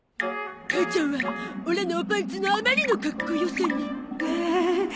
母ちゃんはオラのおパンツのあまりのかっこよさに。